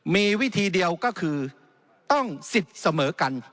มีวิธีเดียวก็คือต้องสิทธิ์เสมอกัน